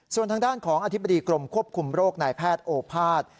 ส่วนทางด้านของอธิบดีกรมควบคุมโรคนายแพทย์โอภาษย์